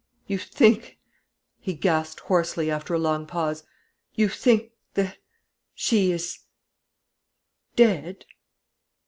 "You think," he gasped hoarsely, after a long pause, "you think that she is dead?"